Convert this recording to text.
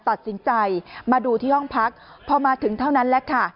ตัดสินใจมาดูที่ห้องพักพอมาถึงเท่านั้นแหละค่ะ